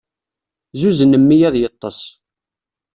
Zuzen mmi ad yeṭṭes.